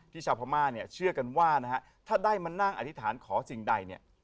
ที่ชาวพม่าเชื่อกันว่าถ้าได้มันนั่งอธิษฐานขอสิ่งใด